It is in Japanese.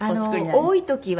多い時は。